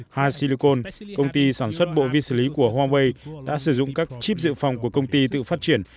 ha silicon công ty sản xuất bộ vi xử lý của huawei đã sử dụng các chip dự phòng của công ty tự phát triển